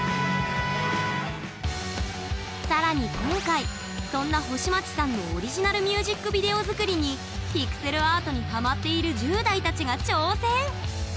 更に今回そんな星街さんのオリジナルミュージックビデオ作りにピクセルアートにハマっている１０代たちが挑戦！